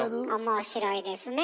面白いですねぇ。